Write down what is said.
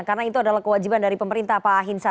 karena itu adalah kewajiban dari pemerintah pak ahinsa